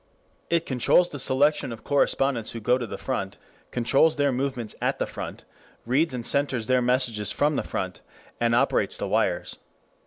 It controls the selection of correspondents who go to the front, controls their movements at the front, reads and censors their messages from the front, and operates the wires.